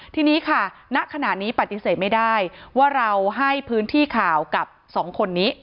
ทีนี้ค่ะณขณะนี้ปฏิเสธไม่ได้ว่าเราให้พื้นที่ข่าวกับสองคนนี้